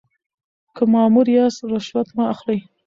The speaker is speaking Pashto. که مامور یاست رشوت مه اخلئ.